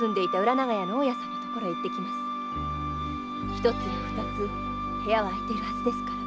一つや二つ部屋は空いているはずですから。